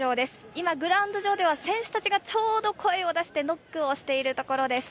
今、グラウンド上では選手たちがちょうど声を出してノックをしているところです。